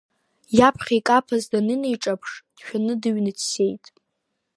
Иаԥхьа икаԥаз данынеиҿаԥш, дшәаны, дыҩны дцеит…